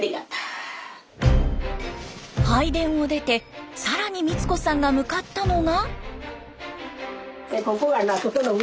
拝殿を出て更に光子さんが向かったのが。